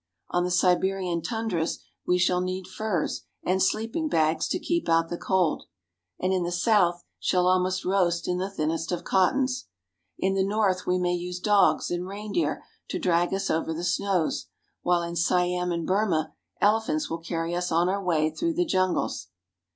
On the Siberian tundras we shall need furs and sleeping bags to keep out the cold ; and in the south shall almost roast in the thinnest of cottons. In the north we may use dogs and reindeer to drag us over the snows; while in Siam and Burma, elephants will carry us on our way through the jungles.